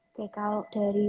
oke kalau dari